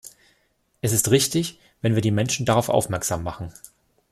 Es ist richtig, wenn wir die Menschen darauf aufmerksam machen.